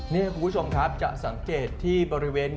นี่คุณผู้ชมครับจะสังเกตที่บริเวณ